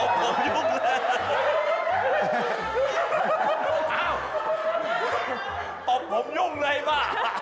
ตบผมยุ่งเลยว่ะ